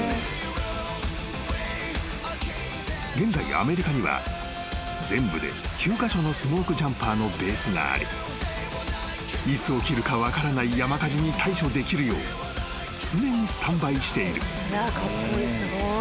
［現在アメリカには全部で９カ所のスモークジャンパーのベースがありいつ起きるか分からない山火事に対処できるよう常にスタンバイしている］